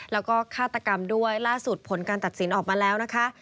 แล้วก็ฆาตกรรมด้วยล่าสุดผลการตัดสินออกมาแล้วนะคะ